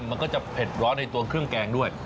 มันก็จะเผ็ดร้อนในตัวเครื่องแกงด้วย